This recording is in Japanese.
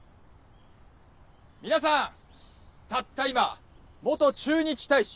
皆さんたった今元駐日大使